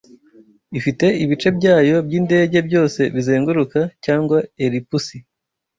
ifite ibice byayo byindege byose bizenguruka cyangwa elipusi